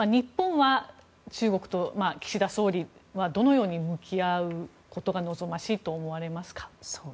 中国と日本、岸田総理はどのように向き合うことが望ましいと思われますか？